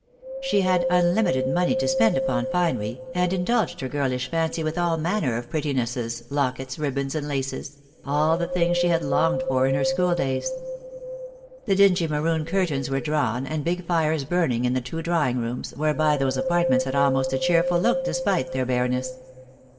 She had unlimited money to spend upon finery, and indulged her girlish fancy with all manner of pretti nesses, lockets, ribbons, and laces — all the things she had longed for in her schooldays. The dingy maroon curtains were drawn and big fires burning in the two drawing rooms, whereby those apartments had almost a cheerful look despite their bareness.